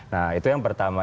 nah itu yang pertama